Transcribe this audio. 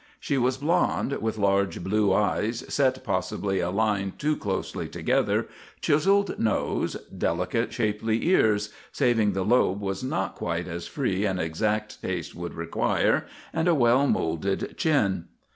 She was blond, with large blue eyes, set possibly a line too closely together, chiseled nose, delicate, shapely ears, saving the lobe was not quite as free as an exact taste would require, and a well moulded chin.